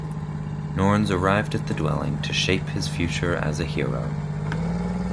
Norns arrived at the dwelling to shape his future as a hero.